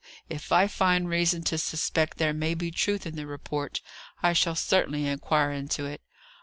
If I find reason to suspect there may be truth in the report, I shall certainly inquire into it.